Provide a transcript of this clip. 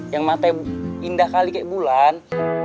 yang matanya indah kali kayak bulan